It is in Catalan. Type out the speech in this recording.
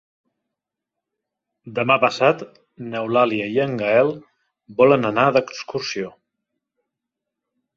Demà passat n'Eulàlia i en Gaël volen anar d'excursió.